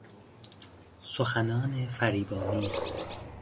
سخنان فریبآمیز